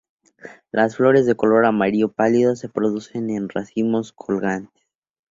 Las flores de color amarillo pálido se producen en racimos colgantes.